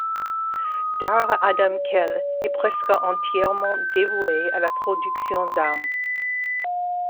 Darra Adam Khel est presque entièrement dévouée à la production d'armes.